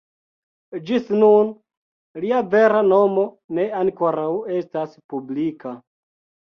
Ĝis nun, lia vera nomo ne ankoraŭ estas publika.